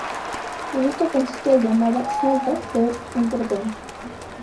En esto consiste el llamado "salto" de un protón.